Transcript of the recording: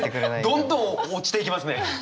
どんどん落ちていきますね！